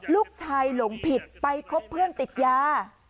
ลูกชายหลงผิดไปคบเพื่อนติดยา